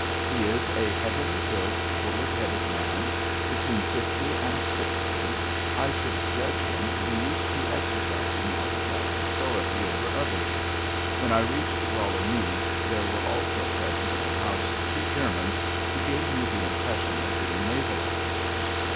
"He is a heavily built, bullet headed man, between fifty and sixty. I should judge him to be used to exercising autocratic authority over others. When I reached Rollo Meads there were also present in the house two Germans, who gave me the impression of being naval officers.